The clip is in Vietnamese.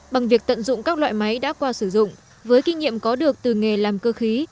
bằng việc tận dụng các loại máy đã qua sử dụng với kinh nghiệm có được từ nghề làm cơ khí